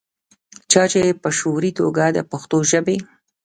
چا چې پۀ شعوري توګه دَپښتو ژبې